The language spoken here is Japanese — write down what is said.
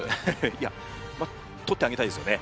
いや取ってあげたいですよね。